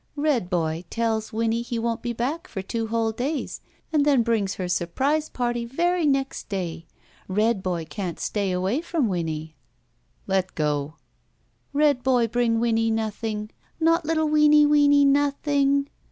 ''Red boy tells Winnie he won't be back for two whole days and then brings her surprise party very next day. Red boy can't stay away from Winnie.'* '•Let go." "Red boy bring "^^nnie nothing? Not littie weeny, weeny nothing?"